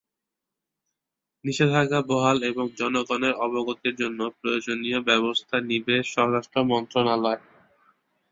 নিষেধাজ্ঞা বহাল এবং জনগণের অবগতির জন্য প্রয়োজনীয় ব্যবস্থা নিবে স্বরাষ্ট্র মন্ত্রণালয়।